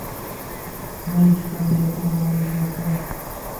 হেই, সালি, এখনো লাইনে আছো?